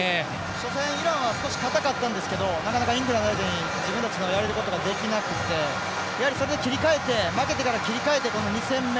初戦イランはちょっと硬かったんですけどなかなか、イングランド相手に自分たちのやりたいことができなくてやはり、それで負けてから切り替えて２戦目。